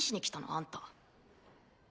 あんた。